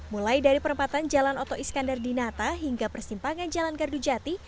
mulai dari perempatan jalan oto iskandar di nata hingga persimpangan jalan gardujati